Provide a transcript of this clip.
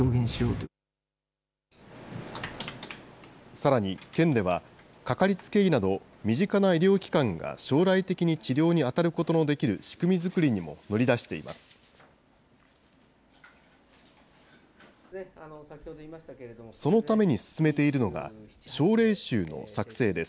さらに県では、かかりつけ医など、身近な医療機関が将来的に治療に当たることのできる仕組み作りにも乗り出しています。